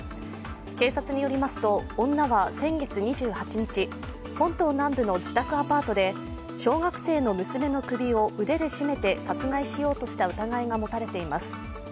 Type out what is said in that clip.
警察によりますと女は先月２８日、本島南部の自宅アパートで小学生の娘の首を腕で絞めて、殺害しようとした疑いが持たれています。